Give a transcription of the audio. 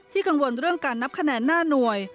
กังวลเรื่องการนับคะแนนหน้าหน่วย